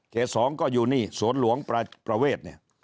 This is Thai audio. เขต๒ก็อยู่นี่สวนหลวงประเวท